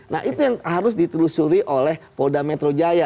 nah itu yang harus ditelusuri oleh polda metro jaya